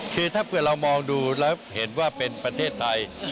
คือถ้าเผื่อเรามองดูแล้วเห็นว่าเป็นประเทศไทย